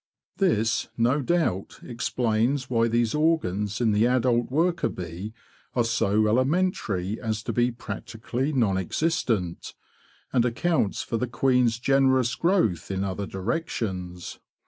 This, no doubt, explains why these organs in the adult worker bee are so elementary as to be practically non existent, and accounts for the queen's generous growth in other directions.